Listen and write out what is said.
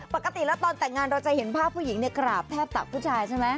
ปกติแล้วตอนแต่งงานเราจะเห็นภาพผู้หญิงกราบแทบตักผู้ชายใช่ไหม